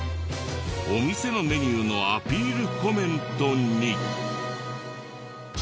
お店のメニューのアピールコメントに。